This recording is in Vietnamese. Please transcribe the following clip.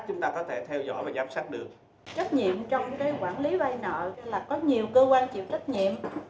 trách nhiệm trong cái quản lý vay nợ là có nhiều cơ quan chịu trách nhiệm